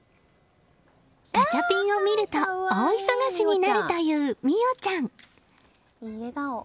ガチャピンを見ると大忙しになるという未桜ちゃん。